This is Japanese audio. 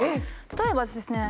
例えばですね